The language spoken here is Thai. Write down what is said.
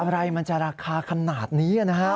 อะไรมันจะราคาขนาดนี้นะฮะ